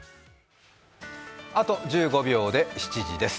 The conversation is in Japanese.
あと１５秒で７時です。